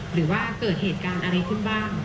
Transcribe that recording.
หรือว่าเกิดเหตุการณ์อะไรขึ้นบ้าง